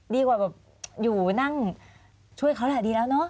ดีกว่าแบบอยู่นั่งช่วยเขาแหละดีแล้วเนอะ